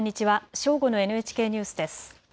正午のＮＨＫニュースです。